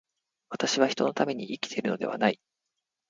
私は人のために生きているのではない。